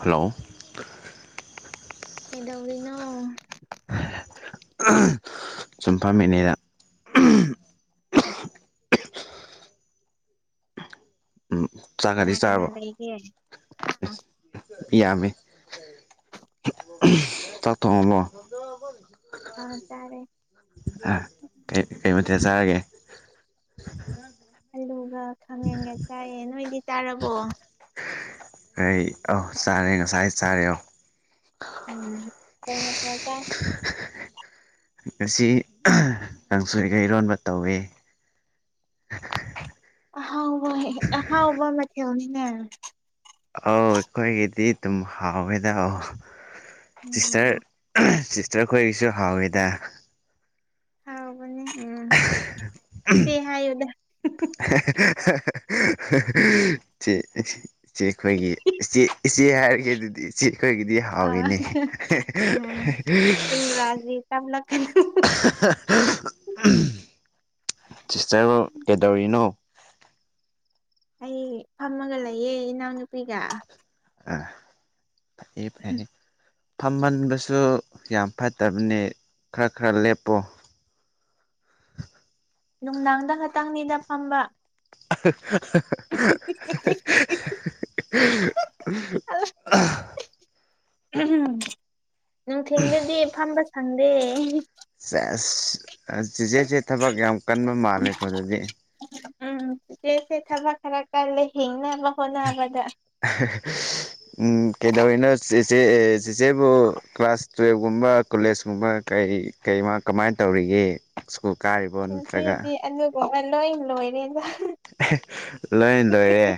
hello ꯀꯩꯗꯧꯔꯤꯅꯣ ꯁꯨꯝ ꯐꯝꯃꯤꯅꯤꯗ ꯎꯝ ꯆꯥꯛꯀꯗꯤ ꯀꯅꯥ ꯀꯅꯥ ꯆꯥꯔꯕꯣ ꯂꯩꯒꯦ ꯑꯁ ꯃꯤ ꯌꯥꯝꯃꯦ ꯆꯥꯛ ꯊꯣꯡꯉꯕꯣ ꯑꯥ ꯆꯥꯔꯦ ꯑ ꯀꯩ ꯀꯩ ꯃꯊꯦꯜ ꯆꯥꯔꯒꯦ ꯑꯜꯂꯨꯒ ꯈꯥꯃꯦꯟꯒ ꯆꯥꯏꯌꯦ ꯅꯣꯏꯗꯤ ꯆꯥꯔꯕꯣ ꯑꯩ ꯑꯧ ꯑ ꯆꯥꯔꯦ ꯉꯁꯥꯏ ꯆꯥꯔꯦ ꯑꯧ ꯎꯝ ꯀꯩ ꯃꯊꯦꯜ ꯆꯥꯒꯦ ꯉꯁꯤ ꯀꯥꯡꯁꯣꯏꯒ ꯏꯔꯣꯟꯕ ꯇꯧꯋꯤ ꯑꯍꯥꯎꯕ ꯑꯍꯥꯎꯕ ꯃꯊꯦꯜꯅꯤꯅꯦ ꯑꯧ ꯑꯩꯈꯣꯏꯒꯤꯗꯤ ꯑꯗꯨꯝ ꯍꯥꯎꯋꯦꯗ ꯑꯣ ꯎꯝ ꯁꯤꯁꯇꯔ ꯆ ꯑꯩꯈꯣꯏꯒꯤꯁꯨ ꯍꯥꯎꯋꯦꯗ ꯍꯥꯎꯅꯦ ꯎꯝ ꯁꯤꯦ ꯍꯥꯏꯗ [unintelligible] ꯏꯆꯦ ꯑꯩꯈꯣꯏꯒꯤ ꯏꯆꯦ ꯏꯆꯦ ꯍꯥꯏꯔꯒ ꯑꯗꯨꯗꯤ ꯏꯆꯦ ꯑꯩꯈꯣꯏꯒꯤꯗꯤ ꯑꯥ ꯍꯥꯎꯏꯅꯤ ꯎꯝ ꯏꯪꯒ꯭ꯔꯥꯖꯤ ꯇꯝꯂꯛꯀꯅꯨ ꯎꯝ ꯁꯤꯁꯇꯔ ꯀꯦꯗꯎꯔꯤꯅꯣ ꯑꯩ ꯐꯝꯃꯒ ꯂꯩꯌꯦ ꯏꯅꯥꯎꯅꯨꯄꯤꯒ ꯑ ꯑꯩ ꯐ ꯐꯝꯍꯟꯕꯁꯨ ꯌꯥꯝ ꯐꯠꯇꯕꯅꯤ ꯈꯔ ꯈꯔ ꯂꯦꯞꯄꯨ ꯅꯨꯡꯗꯥꯡꯗ ꯉꯇꯪꯅꯤꯗ ꯐꯝꯕ ꯑ [unintelligible] ꯎꯝ ꯅꯨꯡꯊꯤꯗꯗꯤ ꯐꯝꯕ ꯁꯪꯗꯦ ꯁ ꯆꯦꯆꯦꯁꯦ ꯊꯕꯛ ꯌꯥꯝ ꯀꯟꯕ ꯃꯥꯜꯂꯦꯀꯣ ꯑꯗꯨꯗꯤ ꯎꯝ ꯆꯦꯁꯦ ꯊꯕꯛ ꯈꯔ ꯀ ꯂꯩ ꯍꯤꯡꯅ ꯎꯝ ꯀꯩꯗꯕꯅ ꯍꯧꯁꯦ ꯑꯕꯨ ꯀ꯭ꯂꯥꯁ ꯁ꯭ꯀꯨꯜꯒꯨꯝꯕ ꯀꯣꯂꯦꯖꯀꯨꯝꯕ ꯀꯩ ꯀꯩ ꯃꯥ ꯀꯃꯥꯏꯅ ꯇꯧꯔꯤꯒꯦ ꯀꯥꯥꯏꯕꯣꯟ ꯂꯥꯛꯥ ꯑꯣ ꯂꯣ ꯏ ꯂꯣꯏꯩꯅ ꯂꯣꯏ ꯇꯧꯔꯦ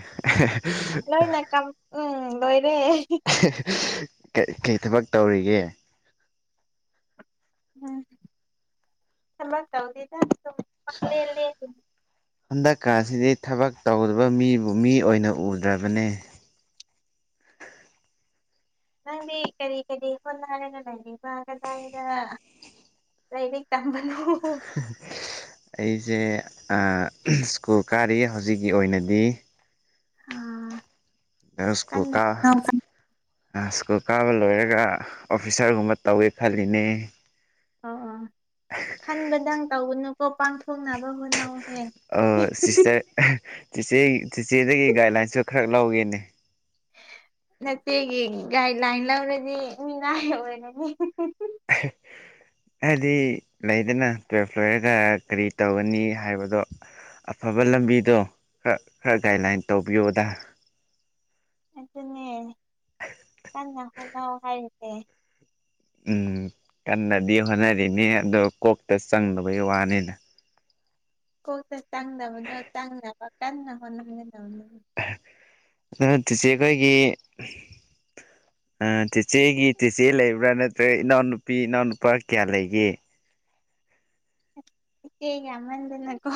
ꯂꯣꯏꯅ ꯀꯝ ꯎꯝ ꯂꯣꯏꯔꯦ ꯀꯩ ꯊꯕꯛ ꯇꯧꯔꯤꯒꯦ ꯎꯝ ꯊꯂ ꯇꯧꯗꯗ [unintelligible] ꯑꯁꯤꯗꯤ ꯊꯕꯛ ꯇꯧꯗꯕ ꯃꯤꯕꯨ ꯃꯤ ꯑꯣꯏꯅ ꯎꯗ꯭ꯔꯕꯅꯦ ꯅꯪꯗꯤ ꯀꯔꯤ ꯀꯔꯤ ꯍꯣꯠꯅꯔꯦꯅ ꯂꯩꯔꯤ ꯃꯥꯒꯗꯥꯏꯗ ꯇꯩ ꯇꯝꯕꯅꯤ ꯑꯩꯁꯦ ꯁ꯭ꯀꯨꯜ ꯀꯥꯔꯤ ꯍꯧꯖꯤꯛꯀꯤ ꯑꯣꯏꯅꯗꯤ ꯑꯥ ꯅꯁꯀꯣ ꯀꯟꯅ ꯀꯥ ꯑꯧ ꯁ꯭ꯀꯨꯜ ꯀꯥꯕ ꯂꯣꯏꯔꯒ ꯑꯣꯐꯤꯁꯥꯔꯒꯨꯝꯕ ꯇꯧꯋꯦ ꯈꯜꯂꯤꯅꯦ ꯑꯣ ꯑꯣ ꯈꯟꯕꯗꯪ ꯇꯒꯅꯨꯀꯣ ꯄꯥꯡꯊꯣꯛꯅꯕ ꯍꯣꯠꯅꯧꯍꯦ ꯁꯤꯁꯇꯔ ꯆꯤꯆꯦ ꯆꯤꯆꯦꯗꯒꯤ ꯒꯥꯏꯗꯂꯥꯏꯟꯁꯨ ꯈꯔ ꯂꯧꯒꯦꯅꯦ ꯅꯆꯦꯒꯤ ꯒꯥꯏꯗ ꯂꯥꯏꯟ ꯂꯧꯔꯗꯤ ꯃꯤꯅꯥꯒꯤ ꯑꯣꯏꯔꯅꯤ [unintelligible] ꯍꯥꯏꯗꯤ ꯂꯩꯗꯅ ꯇꯨꯋꯦꯜꯐ ꯐ꯭ꯂꯣꯔꯔꯗ ꯀꯔꯤ ꯇꯧꯒꯅꯤ ꯍꯥꯏꯕꯗꯣ ꯑꯐꯕ ꯂꯝꯕꯤꯗꯣ ꯈꯔ ꯈꯔ ꯒꯥꯏꯗꯂꯥꯏꯟ ꯇꯧꯕꯤꯌꯣꯗ ꯑꯗꯨꯅꯦ ꯀꯟꯅ ꯍꯣꯠꯅꯧ ꯍꯥꯏꯔꯤꯁꯦ ꯎꯝ ꯀꯟꯅꯗꯤ ꯍꯣꯠꯅꯔꯤꯅꯤ ꯑꯗꯣ ꯀꯣꯛꯇ ꯆꯪꯗꯕꯒꯤ ꯋꯥꯅꯤꯅ ꯀꯣꯗ ꯆꯥꯡ ꯃ ꯆꯥꯡ ꯄ ꯀꯥꯟꯅ ꯐ ꯅꯅꯤ ꯑꯗꯨꯠꯇꯁꯤ ꯑꯩꯈꯣꯏꯒꯤ ꯆꯦꯆꯦꯒꯤ ꯆꯦꯆꯦ ꯂꯩꯕ꯭ꯔꯥ ꯅꯠꯇ꯭ꯔꯒ ꯏꯅꯥꯎꯅꯨꯄꯤ ꯏꯅꯥꯎꯅꯨꯄꯥ ꯀꯌꯥ ꯂꯩꯒꯦ ꯍꯦꯒ ꯃꯟꯗꯤꯅ ꯀꯣ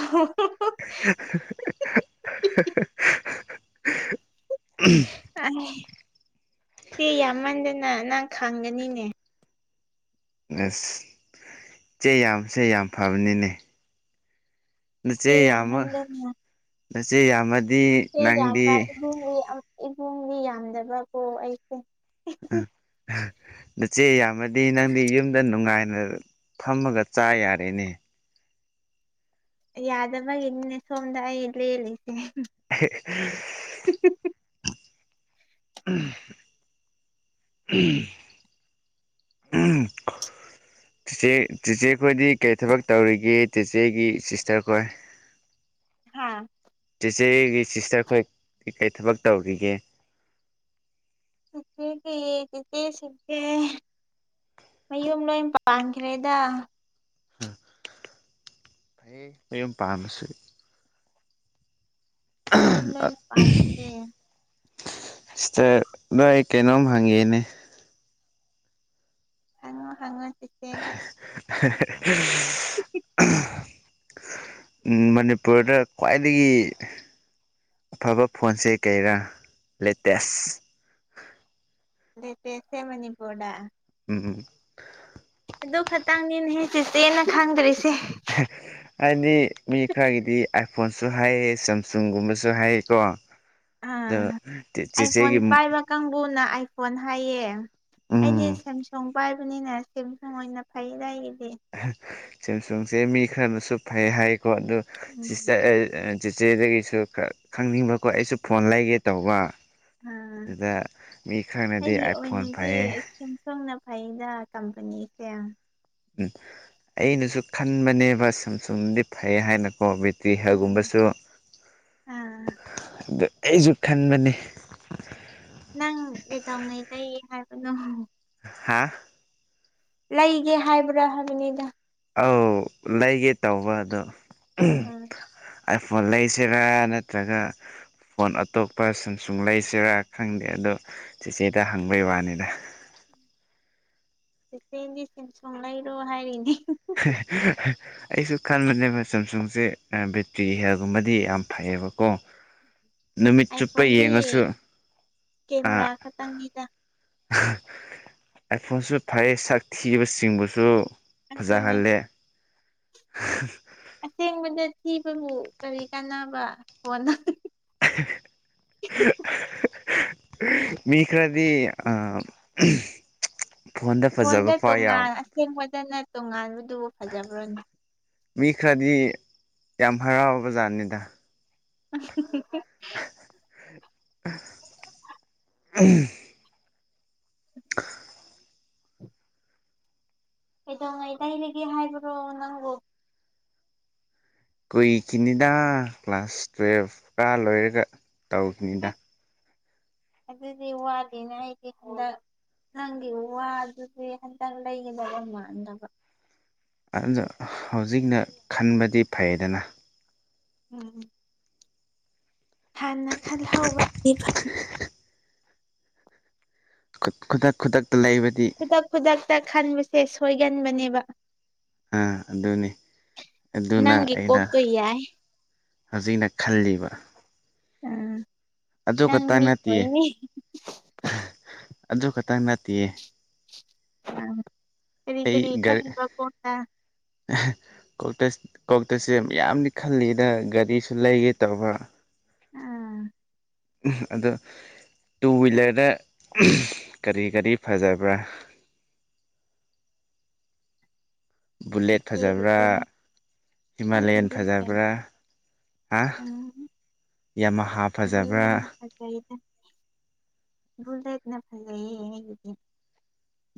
ꯑ ꯁꯤ ꯌꯥꯝꯃꯟꯗꯅ ꯅꯪ ꯈꯥꯡꯒꯅꯤꯅꯦ ꯑꯁ ꯏꯆꯦ ꯌꯥꯝꯁꯦ ꯌꯥꯝ ꯐꯕꯅꯤꯅꯦ ꯁꯤꯆꯦ ꯌꯥꯝꯃ ꯂꯩꯅ ꯅꯆꯦ ꯌꯥꯝꯃꯗꯤ ꯁꯤ ꯌꯥꯝꯕ ꯅꯪꯗꯤ ꯏꯨꯡ ꯏꯕꯨꯡꯒꯤ ꯌꯥꯝꯗꯕꯀꯣ ꯑꯩꯁꯦ ꯎ ꯅꯆꯦ ꯌꯥꯝꯃꯗꯤ ꯅꯪꯗꯤ ꯌꯨꯝꯗ ꯅꯨꯡꯉꯥꯏ ꯐꯝꯃꯒ ꯆꯥ ꯌꯥꯔꯦꯅꯦ ꯌꯥꯗꯕꯒ ꯏꯟꯅ ꯁꯣꯝꯗꯥ ꯏꯂꯦꯜꯂꯤ [inaudible] ꯎꯝ ꯎꯝ ꯆꯦꯆꯦ ꯆꯤꯆꯦꯈꯣꯏꯗꯤ ꯀꯔꯤ ꯊꯕꯛ ꯇꯧꯔꯤꯒꯦ ꯆꯦꯆꯦꯒꯤ ꯁꯤꯁꯇꯔ ꯈꯣꯏ ꯍꯥꯥ ꯏꯆꯦꯒꯤ ꯁꯤꯁꯇꯔ ꯑꯩꯈꯣꯏ ꯀꯩ ꯀꯔꯤ ꯊꯕꯛ ꯇꯧꯈꯤꯒꯦ ꯑꯗꯨꯗꯤ ꯁꯤꯒꯦ ꯃꯌꯨꯝ ꯂꯣꯏ ꯄꯥꯟꯈ꯭ꯔꯦꯗ ꯎꯝ ꯍꯩꯌꯦ ꯃꯨꯝ ꯄꯥꯝꯃꯤꯁꯤ ꯃꯌꯨꯝ ꯂꯣꯏꯅ ꯄꯥꯟꯈ꯭ꯔꯦ ꯏꯁꯇꯔ ꯅ ꯑꯩ ꯀꯩꯅꯣꯝ ꯍꯥꯡꯒꯤꯅꯦ ꯍꯪꯉꯣ ꯍꯪꯉꯣ ꯆꯤꯆꯦꯗ ꯍ ꯎ ꯃꯅꯤꯄꯨꯔꯗ ꯈ꯭ꯋꯥꯏꯗꯒꯤ ꯑꯐꯕ ꯐꯣꯟꯁꯦ ꯀꯩꯔꯥ ꯂꯦꯇꯦꯁ ꯂꯦꯇꯦꯇꯦ ꯃꯅꯤꯄꯨꯔꯗꯥ ꯎꯝ ꯑꯗꯨ ꯈꯇꯪꯅꯦꯅꯦꯍꯦ ꯆꯤꯆꯦꯅ ꯈꯪꯗ꯭ꯔꯤꯁꯦ [inaudible] ꯍꯥꯏꯗꯤ ꯃꯤ ꯈꯔꯒꯤꯗꯤ ꯑꯥꯏꯐꯣꯟꯁꯨ ꯍꯥꯏꯑꯌꯦ ꯁꯦꯝꯁꯨꯡꯒꯨꯝꯕꯁꯨ ꯍꯥꯏꯌꯦꯀꯣ ꯑ ꯑꯗꯣ ꯑꯥꯏꯐꯣꯟ ꯆꯦꯆꯦꯒꯤ ꯄꯥꯏꯕ ꯀꯥꯡꯕꯨꯅ ꯑꯥꯏ ꯐꯣꯟ ꯍꯥꯏꯌꯦ ꯑꯩꯗꯤ ꯎꯝ ꯁꯦꯝꯁꯨꯡ ꯄꯥꯏꯕꯅꯤꯅ ꯁꯦꯝꯁꯨꯡ ꯑꯣꯏꯅ ꯐꯩꯗꯥ ꯁꯦꯝꯁꯨꯡꯁꯦ ꯃꯤ ꯈꯔꯅꯁꯨ ꯐꯩ ꯍꯥꯏꯀꯣ ꯑꯗꯨ ꯎꯝ ꯁꯤꯁꯇꯔ ꯆꯦꯆꯦꯗꯒꯤꯁꯨ ꯈꯔ ꯈꯪꯅꯤꯡꯕꯀꯣ ꯑꯩꯁꯨ ꯐꯣꯟ ꯂꯩꯒꯦ ꯇꯧꯕ ꯑ ꯑꯗꯨꯗ ꯃꯤ ꯈꯔꯅꯗꯤ ꯑꯩꯒꯤ ꯑꯥꯏꯐꯣꯟ ꯑꯣꯏꯅꯗꯤ ꯐꯩꯌꯦ ꯁꯦꯝꯁꯨꯡꯅ ꯐꯩꯗ ꯀꯝꯄꯅꯤꯁꯦ ꯎꯝ ꯑꯩꯅꯁꯨ ꯈꯟꯕꯅꯦꯕ ꯁꯦꯝꯁꯨꯝꯗꯤ ꯐꯩ ꯍꯥꯏꯅ ꯑꯣ ꯕꯤꯇꯤ ꯍꯦꯜ ꯒꯨꯝꯕꯁꯨ ꯑ ꯑꯥ ꯑꯩꯁꯨ ꯈꯟꯕꯅꯤ ꯅꯪ ꯀꯩꯗꯧꯉꯩ ꯂꯩꯌꯦ ꯍꯥꯏꯕꯅꯣ ꯍꯥꯥ ꯂꯩꯒꯦ ꯍꯥꯏꯕ꯭ꯔꯥ ꯍꯥꯏꯕꯅꯤꯗ ꯑꯧ ꯂꯩꯒꯦ ꯇꯧꯕ ꯑꯗꯣ ꯑꯥ ꯑꯥꯏꯐꯣꯟ ꯂꯩꯁꯤꯔꯥ ꯅꯠꯇ꯭ꯔꯒ ꯐꯣꯟ ꯑꯇꯣꯞꯄ ꯁꯝꯁꯨꯡ ꯂꯩꯁꯤꯔꯥ ꯈꯪꯗꯦ ꯑꯗꯣ ꯆꯤꯆꯦꯗ ꯍꯪꯕꯩ ꯋꯥꯅꯤꯗ [inaudible] ꯏꯆꯦꯗꯤ ꯁꯝꯁꯣꯡ ꯂꯩꯔꯣ ꯍꯥꯏꯔꯤꯅꯦ ꯑꯩꯁꯨ ꯈꯟꯕꯅꯦꯕ ꯁꯦꯝꯁꯨꯡꯁꯦ ꯕꯦꯇ꯭ꯔꯤ ꯍꯦꯜꯒꯨꯝꯕꯗꯤ ꯌꯥꯝ ꯐꯩ ꯕꯀꯣ ꯅꯨꯃꯤꯠ ꯆꯨꯞꯄ ꯑꯥꯏꯐꯣꯟꯗꯤ ꯌꯦꯡꯉꯁꯨ ꯀꯦꯃꯦꯔꯥ ꯈꯇꯪꯅꯤꯗ ꯑꯥꯏꯠꯐꯣꯟꯁꯨ ꯐꯩ ꯁꯛ ꯊꯤꯕ ꯁꯤꯡꯕꯁꯨ ꯑꯗꯨꯅꯦ ꯐꯖꯍꯜꯂꯦ ꯑꯁꯦꯡꯕꯗ ꯊꯤꯕꯕꯨ ꯀꯔꯤ ꯀꯥꯟꯅꯕ ꯐꯣꯟꯗ ꯃꯤ ꯈꯔꯗꯤ ꯑ ꯐꯣꯟꯗ ꯇꯣꯉꯥꯟ ꯑꯁꯦꯡꯕꯗꯅ ꯇꯣꯉꯥꯟꯕꯗꯨꯕꯨ ꯐꯖꯕ꯭ꯔꯣꯅꯦ ꯃꯤ ꯈꯔꯗꯤ ꯌꯥꯝ ꯍꯔꯥꯎꯕ ꯖꯥꯠꯅꯤꯗ ꯑ [unintelligible] ꯎꯝ [unintelligible] ꯀꯩꯗꯧꯉꯩ ꯂꯩꯔꯒꯦ ꯍꯥꯏꯕꯅꯣ ꯅꯪꯕꯣ ꯀꯨꯏꯈꯤꯅꯤꯗ ꯀ꯭ꯂꯥꯁ ꯇꯨꯋꯦꯜꯐ ꯀꯥꯕ ꯂꯣꯏꯔꯒ ꯇꯧꯒꯅꯤꯗ ꯑꯁ ꯑꯗꯨꯗꯤ ꯋꯥꯠꯂꯤꯅꯦ ꯑꯩꯗꯤ ꯍꯟꯗꯛ ꯅꯪꯒꯤ ꯋꯥꯗꯨꯗꯤ ꯍꯟꯇꯪ ꯂꯩꯒꯗꯕ ꯃꯥꯟꯗꯕ ꯑꯗꯨꯗ ꯍꯧꯖꯤꯛꯅ ꯈꯟꯕꯗꯤ ꯐꯩꯗꯅ ꯎꯝ ꯍꯥꯟꯅ ꯈꯜꯍꯧꯕꯗꯤ ꯐꯩ ꯈꯨꯗꯛ ꯈꯨꯗꯛ ꯈꯨꯗꯛ ꯈꯨꯗꯛꯇ ꯈꯟꯕꯁꯦ ꯁꯣꯏꯒꯟꯕꯅꯦꯕ ꯑꯥ ꯑꯗꯨꯅꯦ ꯑꯗꯨꯅ ꯅꯪꯒꯤ ꯑꯩꯅ ꯀꯣꯛꯇꯣ ꯌꯥꯏ ꯍꯧꯖꯤꯛꯅ ꯈꯜꯂꯤꯕ ꯎꯝ ꯑꯗꯨ ꯅꯪ ꯈꯛꯇꯪ ꯃꯤ ꯅꯠꯇꯦꯌꯦ ꯍꯣꯏꯅꯦ ꯑꯗꯨ ꯈꯛꯇꯪ ꯅꯠꯇꯦꯌꯦ ꯑꯪ ꯀꯔꯤ ꯑꯩ ꯀꯔꯤ ꯒꯥꯔꯤ ꯈꯜꯂꯤꯕ ꯀꯣꯟꯅ ꯀꯣꯛꯇꯁꯦ ꯌꯥꯝꯗꯤ ꯈꯜꯂꯤꯅ ꯒꯥꯔꯤꯁꯨ ꯂꯩꯒꯦ ꯇꯧꯕ ꯎꯝ ꯑꯗꯣ ꯇꯨ ꯍ꯭ꯋꯤꯂꯔꯗ ꯀꯔꯤ ꯀꯔꯤ ꯐꯖꯕ꯭ꯔꯥ ꯕꯨꯂꯦꯠ ꯐꯖꯕ꯭ꯔꯥ ꯏꯆꯦꯒꯤꯗꯤꯅꯦ ꯍꯤꯃꯥꯂꯌꯥꯟ ꯑꯩꯒꯤꯗꯤꯅꯦ ꯐꯖꯕ꯭ꯔꯥ ꯍꯥ ꯎꯝ ꯌꯥꯃꯍꯥ ꯐꯖꯕ꯭ꯔꯥ ꯕꯨꯂꯦꯠꯅ ꯐꯖꯩꯗ ꯕꯨꯂꯦꯠꯅ ꯐꯥꯖꯌꯦ ꯑꯩꯒꯤꯗꯤ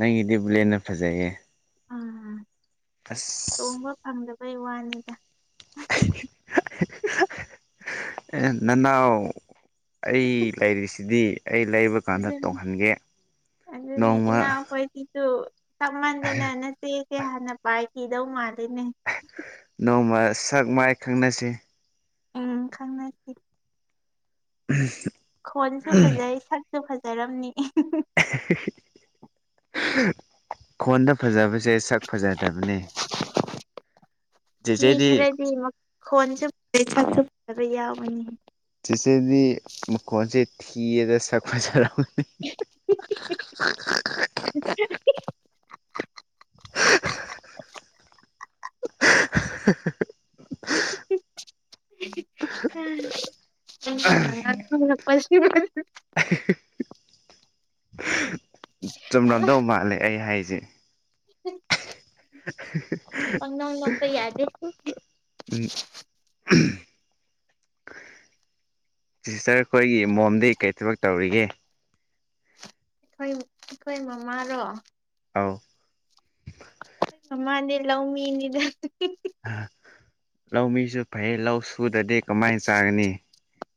ꯅꯪꯒꯤꯗꯤ ꯕꯨꯂꯦꯠꯅ ꯐꯖꯌꯦ ꯎꯝ ꯇꯣꯡꯕ ꯐꯪꯗꯕꯩ ꯋꯥꯅꯤꯗ ꯅꯥꯅꯥꯎ ꯑꯩ ꯂꯩꯥꯔꯤꯁꯤꯗꯤ ꯑꯩ ꯂꯩꯕ ꯀꯥꯟꯗ ꯑꯗꯨꯅꯤ ꯇꯣꯡꯍꯟꯒꯦ ꯑꯗꯨꯅꯦ ꯅꯣꯡꯃ ꯏꯅꯥꯎꯈꯣꯏꯁꯤꯁꯨ ꯇꯞꯃꯟꯗꯅ ꯅꯥꯆꯦꯁꯦ ꯍꯥꯟꯅ ꯄꯥꯏꯈꯤꯗꯧ ꯃꯥꯜꯂꯦ ꯅꯣꯡꯃ ꯁꯛ ꯃꯥꯏ ꯈꯪꯅꯁꯦ ꯎꯝ ꯈꯪꯅꯁꯦ ꯎꯝ ꯈꯣꯟꯁꯨ ꯐꯖꯩ ꯁꯛꯁꯨ ꯐꯖꯔꯝꯅꯤ [unintelligible] ꯈꯣꯟꯗ ꯐꯖꯕꯁꯦ ꯁꯛ ꯐꯖꯗꯕꯅꯦ ꯃꯤ ꯆꯦꯆꯦꯗꯤ ꯈꯔꯗꯤ ꯃꯈꯣꯟꯁꯨ ꯁꯛꯁꯨ ꯐꯖꯕ ꯌꯥꯎꯕꯅꯦ ꯆꯤꯆꯦꯗꯤ ꯃꯈꯣꯟꯁꯦ ꯊꯤꯌꯦꯗ ꯁꯛ ꯐꯖꯔꯝꯅꯤ [unintelligible] [unintelligible] ꯎ [unintelligible] ꯃꯁ [unintelligible] [unintelligible] ꯆꯨꯝꯂꯝꯗꯧ ꯃꯥꯜꯂꯦ ꯑꯩ ꯍꯥꯏꯁꯦ [unintelligible] [unintelligible] ꯄꯛꯅꯣꯛ ꯅꯣꯛꯄ ꯌꯥꯗꯦ ꯎꯝ ꯁꯤꯁꯇꯔ ꯈꯣꯏꯒꯤ ꯃꯣꯝꯗꯤ ꯀꯔꯤ ꯊꯕꯛ ꯇꯧꯔꯤꯒꯦ ꯑꯩꯈꯣꯏ ꯑꯩꯈꯣꯏ ꯃꯃꯥꯔꯣ ꯑꯥꯎ ꯃꯥꯅꯦ ꯂꯧꯃꯤꯅꯤꯗ ꯂꯧꯥꯎ ꯃꯤꯁꯨ ꯐꯥꯏ ꯂꯥꯎ ꯨꯗꯗꯤ ꯀꯃꯥꯏꯅ ꯆꯥꯒꯅꯤ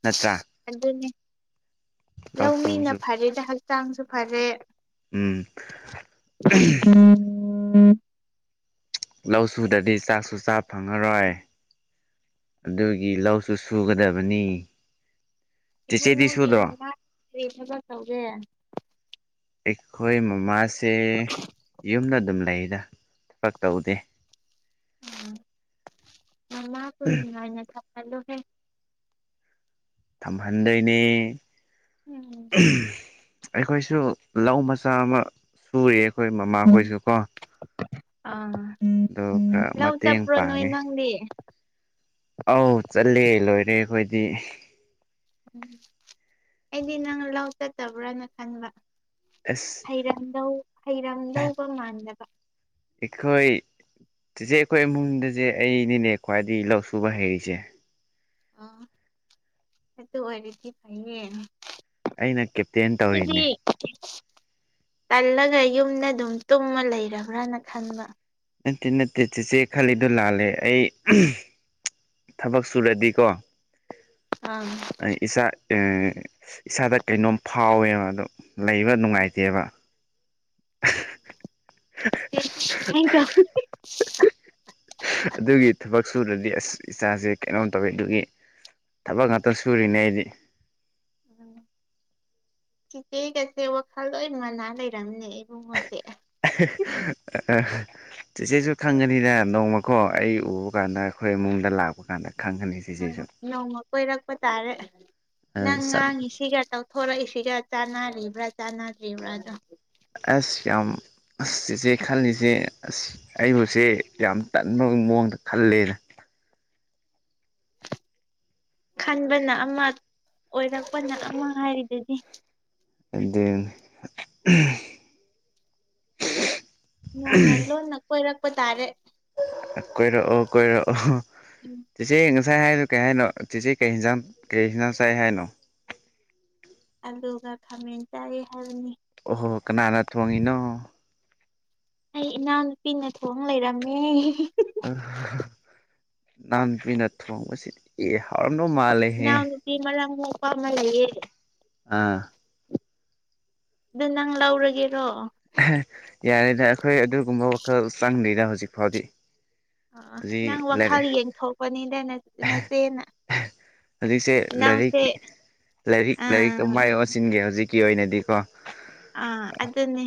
ꯅꯠꯇ꯭ꯔꯥ ꯑꯗꯨꯅꯦ ꯂꯧ ꯁꯨꯕꯁꯨ ꯂꯧꯃꯤꯅ ꯐꯔꯦꯅꯦ ꯍꯛꯆꯥꯡꯁꯨ ꯐꯔꯦ ꯎꯝ ꯎꯝ ꯂꯧ ꯁꯨꯗꯗꯤ ꯆꯥꯛꯁꯨ ꯆꯥꯕ ꯐꯪꯉꯔꯣꯏ ꯑꯗꯨꯒꯤ ꯂꯧꯁꯨ ꯁꯨꯒꯗꯕꯅꯤ ꯆꯦꯆꯦꯗꯤ ꯏꯕꯨꯡꯉꯣꯒꯤ ꯁꯨꯗ꯭ꯔꯣ ꯃꯃ ꯀꯔꯤ ꯊꯕꯛ ꯇꯧꯒꯦ ꯑꯩꯈꯣꯏ ꯃꯃꯥꯁꯦ ꯌꯨꯝꯗ ꯑꯗꯨꯝ ꯂꯩꯗ ꯊꯕꯛ ꯇꯧꯗꯦ ꯎꯝ ꯉ ꯀꯩꯅꯂꯣꯍꯦ ꯊꯍꯟꯗꯩꯅꯦ ꯎꯝ ꯑꯩꯈꯣꯏꯁꯨ ꯂꯧ ꯃꯆꯥ ꯑꯃ ꯁꯔꯤ ꯑꯩꯈꯣꯏ ꯃꯃꯥꯈꯣꯏꯁꯨ ꯀꯣ ꯑ ꯎ ꯑꯗꯣ ꯎꯝ ꯈꯔ ꯂꯧ ꯃꯇꯦꯡ ꯆꯠꯞꯄ꯭ꯔꯣ ꯅꯣꯏ ꯄꯥꯡꯉꯦ ꯅꯪꯗꯤ ꯑꯧ ꯆꯠꯂꯦ ꯂꯣꯏꯔꯦ ꯑꯩꯈꯣꯏꯗꯤ ꯎꯝ ꯑꯩꯗꯤ ꯅꯪ ꯂꯧ ꯆꯠꯇꯕ꯭ꯔꯥꯅ ꯈꯟꯕ ꯑꯁ ꯍꯩꯔꯝꯗ ꯍꯩꯔꯝꯗꯧꯕ ꯃꯥꯟꯗꯕ ꯑꯩꯈꯣꯏ ꯆꯤꯆꯦ ꯑꯩꯈꯣꯏ ꯏꯃꯨꯡꯗꯁꯦ ꯑꯩꯅꯤꯅꯦ ꯈ꯭ꯋꯥꯏꯗꯒꯤ ꯂꯧ ꯁꯨꯕ ꯍꯩꯔꯤꯁꯦ ꯑ ꯑꯗꯨ ꯑꯣꯏꯔꯗꯤ ꯐꯩꯌꯦ ꯑꯩꯅ ꯀꯦꯞꯇꯦꯟ ꯗꯤ ꯇꯧꯔꯤꯅꯦ ꯇꯜꯂꯒ ꯌꯨꯝꯗ ꯑꯗꯨꯝ ꯇꯨꯝꯃ ꯂꯩꯔꯕ꯭ꯔꯥꯅ ꯈꯟꯕ ꯅꯠꯇꯦ ꯅꯠꯇꯦ ꯆꯦꯆꯦ ꯈꯜꯂꯤꯗꯣ ꯂꯥꯜꯂꯦ ꯑꯩ ꯊꯕꯛ ꯁꯨꯔꯗꯤꯀꯣ ꯑꯥ ꯑꯩ ꯏꯁꯆꯥ ꯏꯁꯥꯗ ꯀꯩꯅꯣꯝ ꯐꯥꯎꯋꯦꯕ ꯑꯗ ꯂꯩꯕ ꯅꯨꯡꯉꯥꯏꯇꯦꯕ ꯁꯨꯃꯥꯏꯅ ꯇꯧ ꯑꯗꯨꯒꯤ ꯊꯕꯛ ꯁꯨꯅꯅꯤ ꯗꯤ ꯑꯁ ꯏꯆꯥꯁꯦ ꯀꯩꯅꯣꯝ ꯇꯧꯋꯤ ꯑꯗꯨꯒꯤ ꯊꯕꯛ ꯉꯥꯛꯇ ꯁꯨꯔꯤꯅꯦ ꯑꯩꯗꯤ [inaudible] ꯁꯤꯒꯤ ꯒꯁꯦ ꯋꯥꯈꯜ ꯂꯣꯏ ꯃꯅꯥ ꯂꯩꯔꯝꯅꯦ ꯏꯕꯨꯡꯉꯣꯁꯦ ꯑ ꯆꯤꯆꯦꯁꯨ ꯈꯪꯒꯅꯤꯅ ꯅꯣꯡꯃ ꯀꯣ ꯑꯩ ꯎꯕ ꯀꯥꯟꯗ ꯑꯩꯈꯣꯏ ꯏꯃꯨꯡꯗ ꯂꯥꯛꯄ ꯀꯥꯟꯗ ꯈꯪꯒꯅꯤ ꯑꯪ ꯆꯤꯁꯦꯁꯨ ꯅꯣꯡꯃ ꯀꯣꯏꯔꯛꯄ ꯇꯥꯔꯦ ꯅꯪ ꯁꯛ ꯉꯥꯡꯉꯤ ꯁꯤꯒ ꯇꯧꯊꯣꯔꯛꯏꯁꯤꯒ ꯆꯥꯅꯔꯤꯕ꯭ꯔꯥ ꯆꯥꯅꯗ꯭ꯔꯤꯕ꯭ꯔꯥ ꯗꯣ ꯑꯁ ꯌꯥꯝ ꯑꯁ ꯏꯆꯦ ꯈꯜꯂꯤꯁꯦ ꯑꯁ ꯑꯩꯕꯨꯁꯦ ꯌꯥꯝ ꯇꯟꯕꯒꯤ ꯃꯑꯣꯡꯗ ꯈꯜꯂꯦꯗ [inaudible] [inaudible] ꯈꯟꯕꯅ ꯑꯃ ꯑꯣꯏꯔꯛꯄꯅ ꯑꯃ ꯍꯥꯏꯔꯤꯗꯨꯗꯤ ꯑꯗꯨ ꯑꯗꯨ ꯅꯣꯡꯃ ꯂꯣꯟꯅ ꯀꯣꯏꯔꯛꯄ ꯇꯥꯔꯦ ꯀꯣꯏꯔꯛꯑꯣ ꯀꯣꯏꯔꯛꯑꯣ ꯎꯝ ꯆꯤꯆꯦ ꯉꯁꯥꯏ ꯍꯥꯏꯅꯣ ꯀꯩ ꯍꯥꯏꯅꯣ ꯆꯤꯆꯦ ꯀꯩ ꯍꯤꯖꯥꯡ ꯀꯩ ꯍꯤꯖꯥꯡ ꯆꯥꯏ ꯍꯥꯏꯅꯣ ꯑꯂꯨꯒ ꯈꯃꯦꯟ ꯆꯥꯏ ꯍꯥꯏꯕꯅꯤ ꯑꯣ ꯍꯣ ꯀꯅꯥꯅ ꯊꯣꯡꯉꯤꯅꯣ ꯑꯩ ꯏꯅꯥꯎꯅꯨꯄꯤꯅ ꯊꯣꯡ ꯂꯩꯔꯝꯃꯦ ꯅꯥꯅꯥꯎ ꯅꯨꯄꯥꯅ ꯊꯣꯡꯕ ꯁꯤꯗꯤ ꯑꯦ ꯍꯥꯎꯔꯝꯗꯣ ꯃꯥꯜꯂꯦꯍꯦ ꯄꯥ ꯑꯃ ꯂꯩꯌꯦ ꯑꯥ ꯑꯗꯨ ꯅꯪ ꯂꯧꯔꯒ ꯌꯥꯔꯦꯗ ꯑꯩꯈꯣꯏ ꯑꯗꯨꯒꯨꯝꯕ ꯋꯥꯈꯜ ꯆꯪꯗꯗ ꯍꯧꯖꯤꯛ ꯐꯥꯎꯗꯤ ꯑ ꯍꯧꯖꯤꯛ ꯅꯪ ꯋꯥꯈꯜ ꯂꯥꯏꯔꯤꯛ ꯌꯦꯡꯊꯣꯛꯄꯅꯤꯗ ꯅꯆꯦꯅ ꯍꯧꯖꯤꯛꯁꯦ ꯏꯅꯥꯎꯁꯦ ꯂꯥꯏꯔꯤꯛꯀꯤ ꯂꯥꯏꯔꯤꯛ ꯂꯥꯏꯔꯤꯛꯇ ꯑ ꯃꯥꯏ ꯑꯣꯟꯁꯤꯟꯒꯦ ꯍꯧꯖꯤꯛ ꯀ ꯑꯣꯏꯅꯦꯗꯤꯀꯣ ꯑꯥ ꯑꯗꯨꯅꯤ